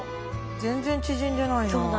全然縮んでないな。